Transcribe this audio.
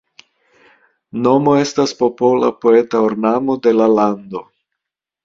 Nomo estas “popola poeta ornamo” de la lando.